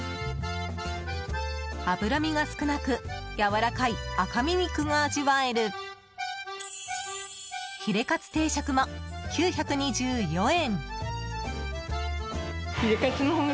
脂身が少なくやわらかい赤身肉が味わえるヒレカツ定食も、９２４円。